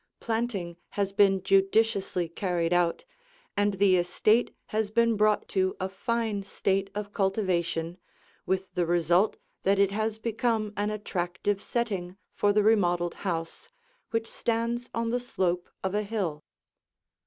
Planting has been judiciously carried out, and the estate has been brought to a fine state of cultivation, with the result that it has become an attractive setting for the remodeled house, which stands on the slope of a hill.